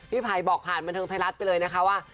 พี่ภัยบอกผ่านบรรทางไทยรัฐไปเลยนะคะว่า